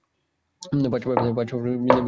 পাঁচ পাপড়ি বিশিষ্ট ফুল।